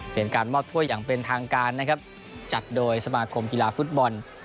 เป็นการมอบถ้วยอย่างเป็นทางการนะครับจัดโดยสมาคมกีฬาฟุตบอล